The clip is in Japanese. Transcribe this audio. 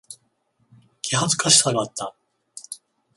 気恥ずかしさがあった。